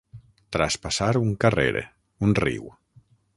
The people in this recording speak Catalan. Traspassar un carrer, un riu.